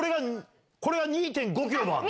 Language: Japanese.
これが２．５ｋｍもあんの？